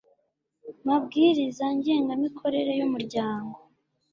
mabwiriza ngengamikorere y umuryango